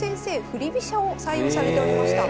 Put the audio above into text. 振り飛車を採用されておりました。